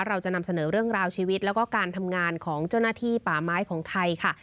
เราจะนำเสนอเรื่องราวชีวิตแล้วก็การทำงานของเจ้าหน้าที่ป่าไม้ของไทยค่ะ